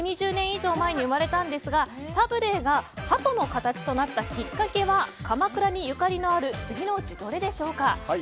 以上前に生まれたんですがサブレーが鳩の形となったきっかけは鎌倉にゆかりのある次のうちどれでしょうか。